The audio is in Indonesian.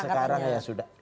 sekarang ya sudah